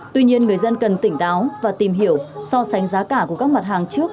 tuy nhiên người dân cần tỉnh táo và tìm hiểu so sánh giá cả của các mặt hàng trước